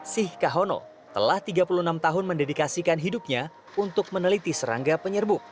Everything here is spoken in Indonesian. si kakono telah tiga puluh enam tahun mendidikasikan hidupnya untuk meneliti serangga penyerbu